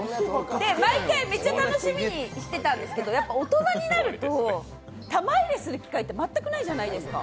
毎回、めっちゃ楽しみにしてたんですけどやっぱ大人になると玉入れする機会って全くないじゃないですか。